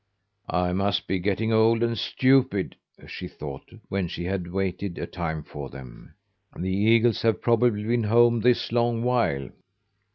"I must be getting old and stupid," she thought, when she had waited a time for them. "The eagles have probably been home this long while."